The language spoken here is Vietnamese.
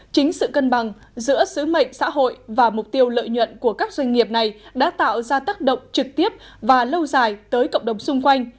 chính sự cân bằng giữa sứ mệnh xã hội và mục tiêu lợi nhuận của các doanh nghiệp này đã tạo ra tác động trực tiếp và lâu dài tới cộng đồng xung quanh